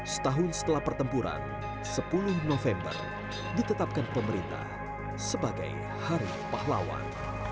setahun setelah pertempuran sepuluh november ditetapkan pemerintah sebagai hari pahlawan